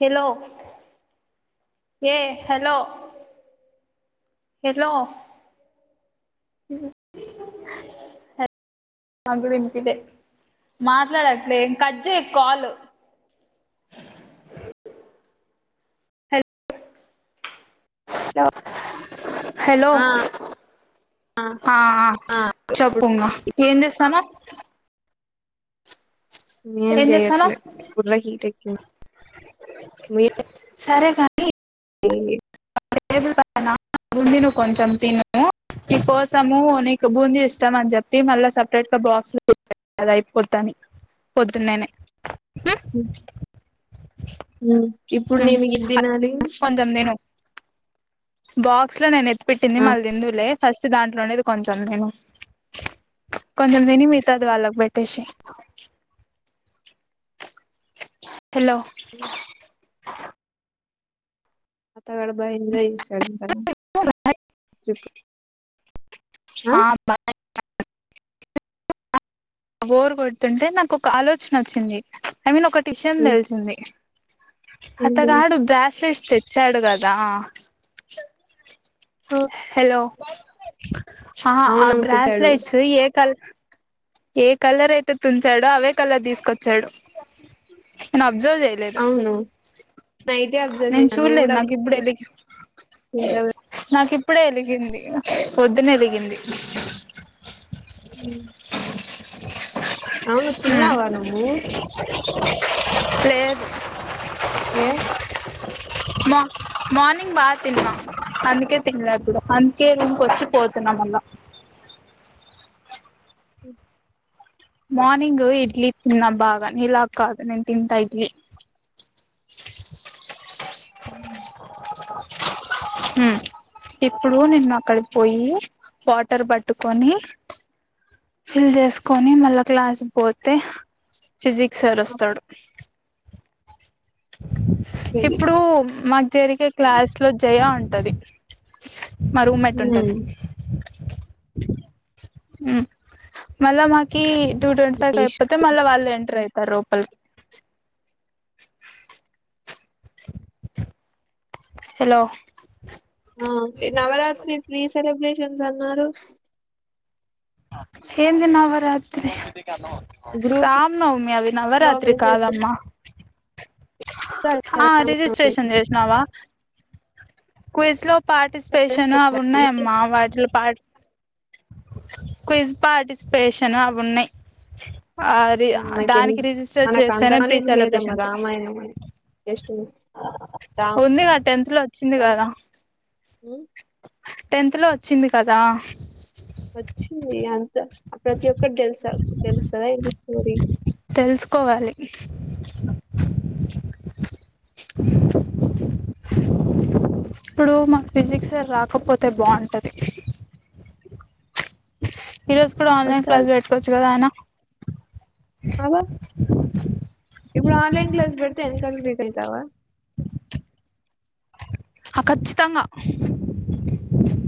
Hello ఏ hello మాట్లాడట్లే cut జేయకు కాలు లో హలో ఆ ఆ ఆ చెప్పుంగా ఏం చేస్తానవ్ ఏం చేయట్లే బుర్ర హీటేక్కింది ఏ సరే కానీ ఏంది [unintelligible] నువ్వు తిను కొంచెం తిను నీ కోసము నీకు బూందీ ఇష్టం అని చెప్పి మళ్ళ సపరేట్గా బాక్స్లు [unintelligible] అది అయిపోద్దని పొద్దున్ననే ఉ ఇప్పుడు నేను ఇది తినాలి కొంచెం తిను బాక్స్ లో నేన్ ఎత్ పెట్టింది ఆ మళ్ళి ఎందుకు లే ఫస్ట్ దాంట్లో నే ఇది కొంచెం తిను కొంచెం తిని మిగతది వాలకు బెఠేషెయ్ హలో అతగడు బయిందీస్ టన్ టన్ అయ్ ఆ [inaudible] బోరు కొడుతుంటే నాకు ఒక ఆలోచన వచ్చింది ఐ మీన్ ఒక టిషన్ తెలిసింది ఏంటిది అతగాడు బ్రాస్లెట్ తెస్తే ఇచ్చాడుకదా హలో [inaudible] ఆ అవును ఆ అమ్ముతాడు బ్రాస్లెట్స్ ఏ కల్ ఏ కలర్ అయితే తుంచాడో అవే కలర్ తీసుకొచ్చాడు అబ్జర్వ్ చేయలేదు అవును నైటే అబ్జర్వ్ నేను చేశాను నువ్వు చూడలేదు కూడా నాకు ఇప్పుడు వెళ్ళి తింటావు నాకుప్పు ఇప్పుడే వెలిగింది ని ఎదిగింది [inaudible] [inaudible] అవును హ తిన్నావా నువ్వు లేదు ఏ మా మార్నింగ్ బాగా తిన్నా అందుకే తినలే ఇప్పుడు అందుకే రూంక వచ్చి పోతున్నాం వల్ల మార్నింగ్ ఇడ్లీ తిన్న బాగా నీలా కాదు నేను తింటా ఇడ్లీ అ ఇప్పుడు నిన్ను అక్కడి పోయి వాటర్ పట్టుకొని ఫిల్ చేసుకొని మళ్ళా క్లాస్ పోతే ఫిజిక్స్ సారు వస్తాడు ఇప్పుడు మా జరిగే క్లాస్ లో జయ ఉంటది మా రూమ్ ఎట్ ఉంటది [inaudible] హు మళ్ళా మాకి టూ ట్వంటీ ఫైవ్ అయిపోతే మళీ వాళ్ళు ఎంటర్ అయితరు త రోపల్ [inaudible] హలో ఆ నవరాత్రి ప్రీ సెలబ్రేషన్ సెలబ్రేషన్సు అన్నారు ఏం తిన్నావు రాత్రి గ్రూప్ రామ్నవమి అవి లో నవరాత్రి మెసేజ్ కాదమ్మా ఆ రిజిస్ట్రేషన్ చేసినావా క్ీజ్ లో పార్టిసిపేషన్ అవి ఉన్నాయమ్మా వాటిలోటి క్విజ్ పార్టిసిపేషన్ అవి ఉన్నాయి ఆ రి మకి ఎ దానికి రిజిస్టర్ మనకు చేస్తేనే ప్రీ అంతనాలెడ్జ లేదమ్మా సెలబ్రేషన్స్ రామాయణం జస్ట్ రామత ఉందిగా టెన్త్ లో వచ్చింది కదా ఉమ్, టెన్త్ లో వచ్చింది కదా వచ్చి అంత ఆ ప్రతి ఒక్కటి తెలుసా తెలుసా స్టోరీ తెలుసుకోవాలి ఇప్పుడు మాకు ఫిజిక్స్ రాకపోతే బావుంటది ఈ రోజు కూడా ఆన్లైన్ వస్తాడు క్లాస్లు పెట్టుకోవచ్చు కదా ఆయన అవ ఇప్పుడు ఆన్లైన్ క్లాస్ పెడితే ఎన్ కంప్లీట్ దావా ఆ ఖచ్చితంగా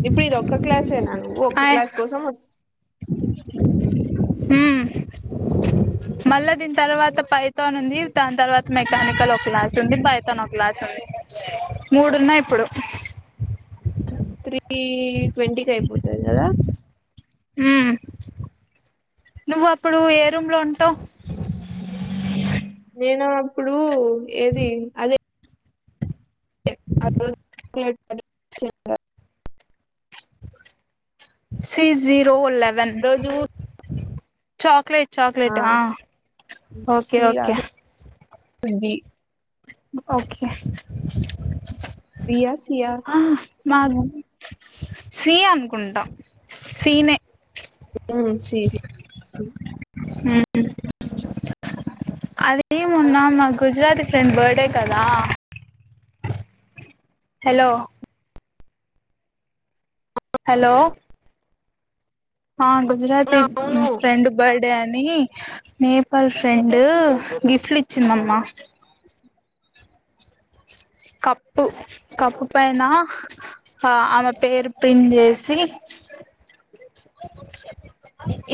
ఇప్పుడు ఇది ఒక్క క్లాసేనా నువ్వు ఒక్క క్లాస్ కోసం హ మళ్ళా దీని తర్వాత పైథాన్ ఉంది దాని తర్వాత మెకానికల్ ఒక క్లాస్ ఉంది పైథాన్ ఒక క్లాస్ ఉంది మూడు ఉన్నాయి ఇప్పుడు త్రీ ట్వంటీకి అయిపోతది కదా హుమ్ నువ్వు అప్పుడు ఏ రూమ్ లో ఉంటావు నేను అప్పుడు ఏది అదే అ [unintelligible] అ సి జీరో ల్లా వెన్ రోజు చాక్లేట్ చాక్లెట్ ఆ ఓకే ఓకే బి ఓకే బియా సియా ఆ మాకు సీ అనుకుంటా సీనే ఆ సీ హు మ్ అదేమున్నా మా గుజరాతీ ఫ్రెండ్ బర్త్డే కదా హలో హలో ఆ గుజరాతీ అవును ఫ్రెండ్ బర్డ్ డే అని నేపాల్ ఫ్రెండు గిఫ్ట్లు ఇచ్చిందమ్మా కప్పు కప్పు పైన ఆమె పేరు ప్రింట్ చేసీ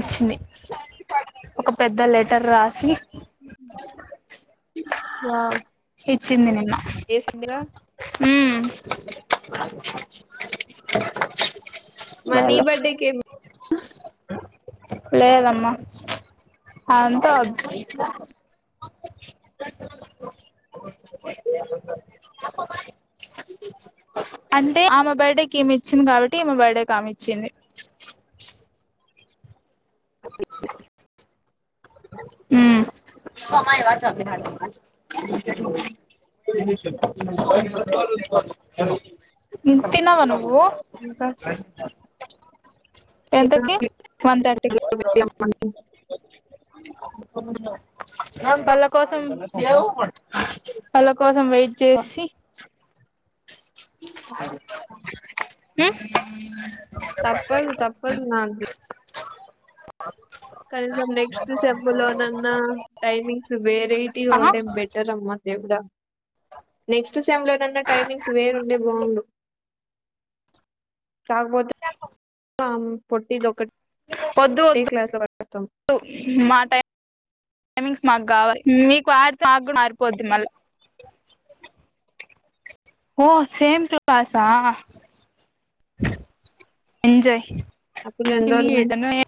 ఇచ్చింది ఒక పెద్ద లెటర్ రాసి వావ్ చిందినిన్న ఏసుందిగ మ్ మనీ బర్డేక్ లేదమ్మా అంతా వద్ద్ అంటే ఆమె బర్త్డేకి ఏమి ఇచ్చింది కాబట్టి ఈమె బర్త్డే కి ఆమె ఇచ్చింది మ్ తినవ ఉ ఇంకా ఎంతకి వన్ థర్టీ పళ్ళ కోసం పళ్ళ కోస్ వెయిట్ చేసి త- అే మ్ తప్పదు తప్పదు నా కనీసం నెక్స్ట్ సెంబ్ల్లో నన్న టైమింగ్స్ వేరైటిగా ఆహా ఉంటే బెటర్ అమ్మ దేవుడ నెక్స్ట్ సెమ్ లోనన్న టైమింగ్స్ వేరుంటె బావుండు కాక్పోతే పొట్టిది ఒకట్ వద్దు వద్దు మా టైం టైమింగ్స్ మాకు కావాలి మీక్ మారిపోద్ది మళ్ళా ఓ సేమ్ క్లాసా ఎంజయ్ అప్పుడు నని ఎన్రోల్మెంట్ ఏదాన్నా [inaudible]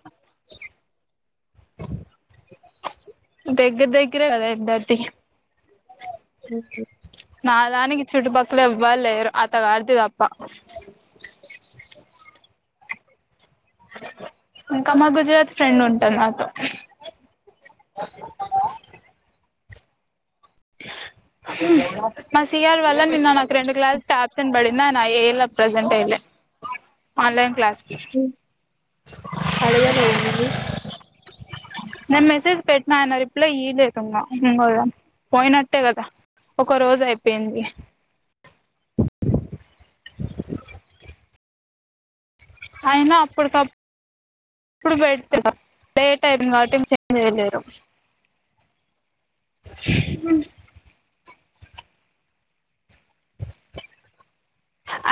దగ్గర్ దగ్గరే కదా ఇద్దర్ది నా దానికి చుట్టుపక్కలేవ్వర్ళ్లేరు ఆ తగా ఆడతదప్ప ఇంకా మా గుజరాత్ ఫ్రెండ్ ఉంట నాతో మా సియర్ వల్ నిన్న రెం క్లాస్ అబ్సెంట్ బడింద ప్రెసెంట్యి ఆన్లైన్ క్లాస్ కి మ్ అడగలేదా మరి నేను మెసేజ్ పెట్టినా ఆయన రిప్లై ఇయ్యలేదింగ ఇంగా పోయినట్టే కదా ఒక రోజు అయిపేయింది. అయినా అప్పుడికప్ ప్పుడు [unintelligible] లేట్ అయింది కావట్టి చేంజ్ చేయలేరు. హ్మ్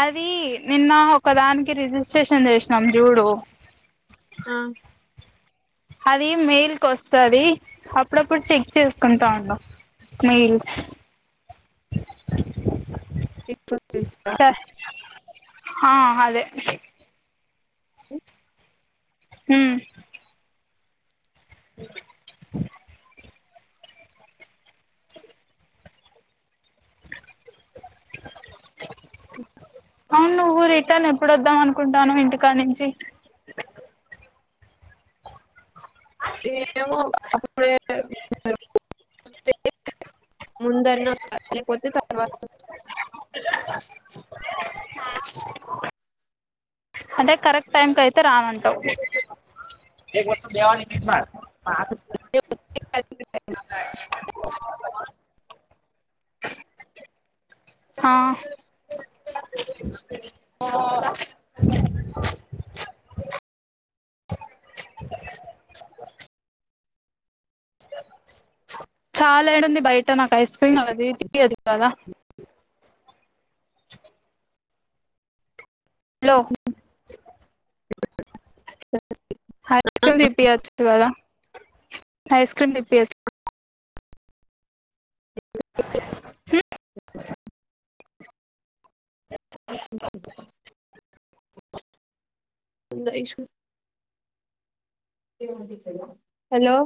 అది నిన్న ఒకదానికి రిజిస్ట్రేషన్ చేసి నం జూడు ఆ అది మెయిల్ కు వస్సాది అప్పుడప్పుడు చెక్ చేసుకుంటా ఉండు మెయిల్స్ ఇ [unintelligible] హా అదే హ్మ్ అవును నువ్వు రిటర్న్ ఎప్పుడు వద్దాం అనుకుంటన్నావ్ ఇంటికానుంచి. ఏమో [unintelligible] [unintelligible] ముందర్నో [unintelligible] [unintelligible] అదే కరెక్ట్ టైం కి అయితే రానంటావు ఆ చాలా ఏడుంది బయట నాకు ఐస్ క్రీమ్ అది అది కదా లో [unintelligible] ఐస్ క్రీమ్ ఇప్పియ పుల్ల ఐసు హలో